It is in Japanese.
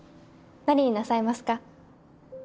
何になさいますか？